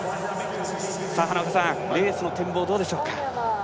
花岡さんレースの展望、どうでしょうか。